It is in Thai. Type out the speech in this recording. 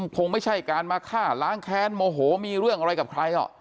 คงไม่ใช่การมาฆ่าล้างแค้นโมโหมีเรื่องอะไรกับใคร